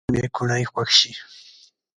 نن مې کوڼۍ خوږ شي